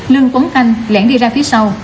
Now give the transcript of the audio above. lương tuấn khanh lẹn đi ra phía sau